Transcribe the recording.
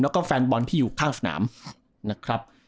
และก็แฟนบอลที่อยู่ข้างรัฐสนาม